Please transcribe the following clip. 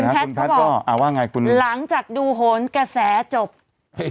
นะคุณพัดก็อ่าว่าไงคุณหลังจากดูโหลนแกะแสจบให้